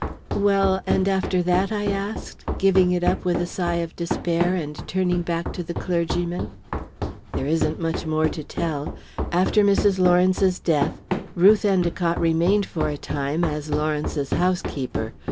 "Well, and after that?" I asked, giving it up with a sigh of despair and turning back to the clergyman. "There isn't much more to tell. After Mrs. Lawrence's death, Ruth Endicott remained for a time as Lawrence's housekeeper.